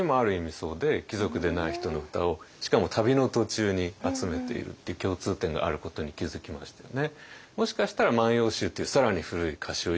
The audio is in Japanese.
そうで貴族でない人の歌をしかも旅の途中に集めているっていう共通点があることに気付きましてね。